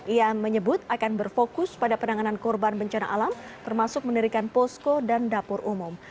ia menyebut akan berfokus pada penanganan korban bencana alam termasuk mendirikan posko dan dapur umum